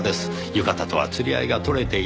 浴衣とは釣り合いが取れていない。